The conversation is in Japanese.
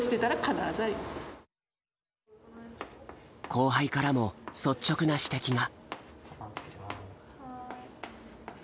後輩からも率直な指摘が。